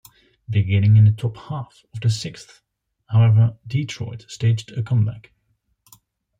Beginning in the top half of the sixth, however, Detroit staged a comeback.